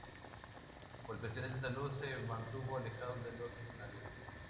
Por cuestiones de salud, se mantuvo alejado de los escenarios.